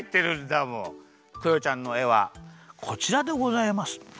クヨちゃんのえはこちらでございます。